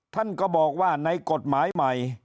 ท่านก็บอกว่าในกฎหมายใหม่